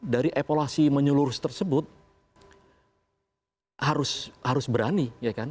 dari evolusi menyelurus tersebut harus berani